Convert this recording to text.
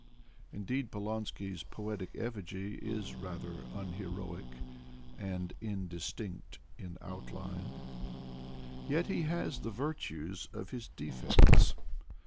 Indeed Polonsky's poetic effigy is rather unheroic and indistinct in outline. Yet he has the virtues of his defects.